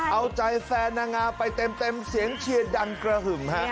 เอาใจแฟนนางงามไปเต็มเสียงเชียร์ดังกระหึ่มฮะ